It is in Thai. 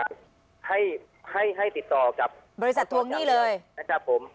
ให้ให้ติดต่อกับบริษัททวงหนี้เลยนะครับผม